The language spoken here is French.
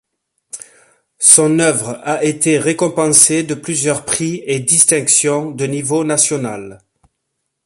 Son œuvre a été récompensée de plusieurs prix et distinctions de niveau national.